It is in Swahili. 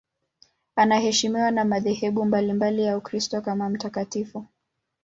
Anaheshimiwa na madhehebu mbalimbali ya Ukristo kama mtakatifu.